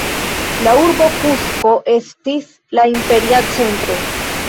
La urbo Kusko estis la imperia centro.